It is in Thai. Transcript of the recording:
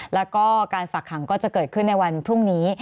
แล้วก็การฝากขังก็จะเกิดขึ้นในวันพรุ่งนี้